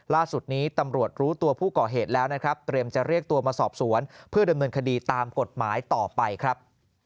ล่าสุดนี้ตำรวจรู้ตัวผู้ก่อเหตุแล้วนะครับเตรียมจะเรียกตัวมาสอบสวนเพื่อดำเนินคดีตามกฎหมายต่อไปครับ